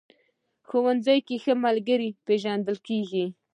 ښوونځی کې ښه ملګري پېژندل کېږي